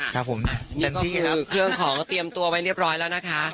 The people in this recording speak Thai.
ครับผมแต่นี่คือเครื่องของเตรียมตัวไว้เรียบร้อยแล้วนะคะ